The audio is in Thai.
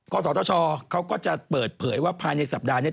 ศตชเขาก็จะเปิดเผยว่าภายในสัปดาห์นี้